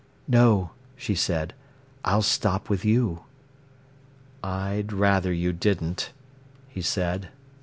"No," she said, "I'll stop with you." "I'd rather you didn't," he said.